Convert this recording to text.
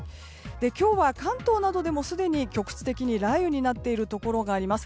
今日は関東などでもすでに局地的に雷雨になっているところがあります。